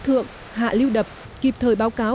thượng hạ lưu đập kịp thời báo cáo